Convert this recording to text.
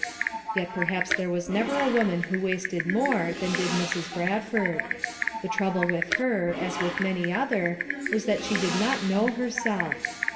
Yet perhaps there was never a woman who wasted more than did Mrs. Bradford. The trouble with her, as with many another, w T as that she did not know herself.